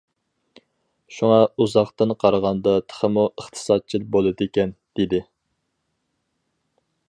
شۇڭا ئۇزاقتىن قارىغاندا تېخىمۇ ئىقتىسادچىل بولىدىكەن دېدى.